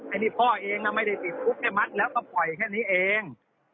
อันนี้พ่อเองไม่ได้ติดคุกแค่มัดแล้วก็ปล่อยแค่นี้เอง